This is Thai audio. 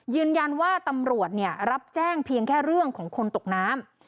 ยืนยันว่าตำรวจรับแจ้งเพียงแค่เรื่องของคนตกน้ำ